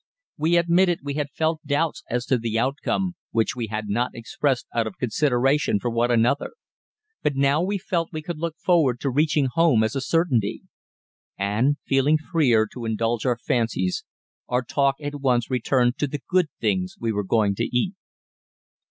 We admitted we had felt doubts as to the outcome, which we had not expressed out of consideration for one another. But now we felt we could look forward to reaching home as a certainty. And, feeling freer to indulge our fancies, our talk at once returned to the good things we were going to eat.